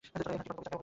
এখন কি করবে কবিতা?